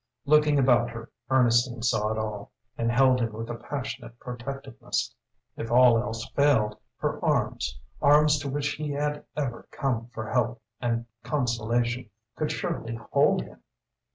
Looking about her Ernestine saw it all, and held him with a passionate protectiveness. If all else failed, her arms arms to which he had ever come for help and consolation could surely hold him!